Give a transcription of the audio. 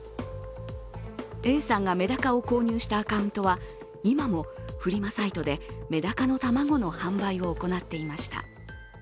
Ａさんがメダカを購入したアカウントは、今もフリマサイトでメダカの卵の販売を行っていました。